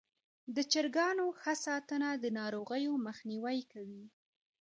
د چرګانو ښه ساتنه د ناروغیو مخنیوی کوي.